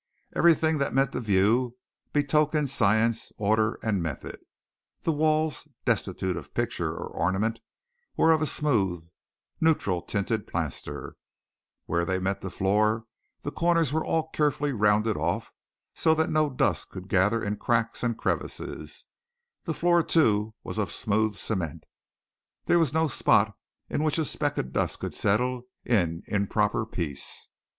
Everything that met the view betokened science, order, and method. The walls, destitute of picture or ornament, were of a smooth neutral tinted plaster; where they met the floor the corners were all carefully rounded off so that no dust could gather in cracks and crevices; the floor, too, was of smooth cement; there was no spot in which a speck of dust could settle in improper peace.